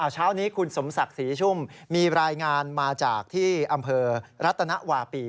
เช้านี้คุณสมศักดิ์ศรีชุ่มมีรายงานมาจากที่อำเภอรัตนวาปี